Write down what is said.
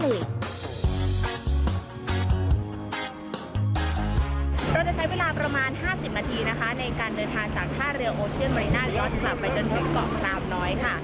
เราจะใช้เวลาประมาณ๕๐นาทีนะคะในการเดินทางจากท่าเรือโอเชียนมารีน่ายอดคลับไปจนถึงเกาะพรามน้อยค่ะ